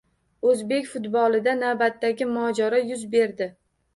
O‘zbek futbolida navbatdagi mojaro yuz berdi